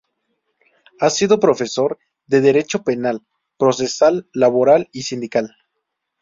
Ha sido profesor de Derecho Penal, Procesal, Laboral y Sindical.